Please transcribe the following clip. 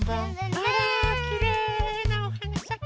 あらきれいなおはなさん！